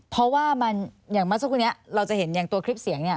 เพราะว่ามันอย่างเมื่อสักครู่นี้เราจะเห็นอย่างตัวคลิปเสียงเนี่ย